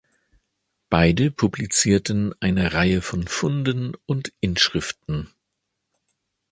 Beide publizierten eine Reihe von Funden und Inschriften.